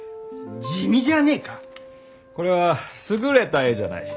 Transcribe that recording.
これは優れた絵じゃない。